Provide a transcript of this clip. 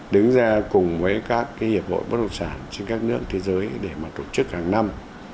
đứng ra cùng với các cái hiệp hội bất động sản trên các nước thế giới để mà tổ chức hàng năm